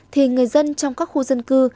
thì người dân trong các khu dân cư